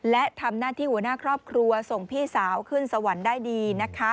และทำหน้าที่หัวหน้าครอบครัวส่งพี่สาวขึ้นสวรรค์ได้ดีนะคะ